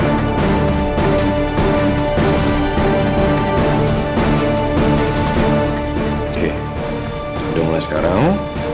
oke udah mulai sekarang